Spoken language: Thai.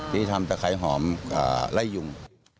ที่ทำตะไคหอมไล่ยุง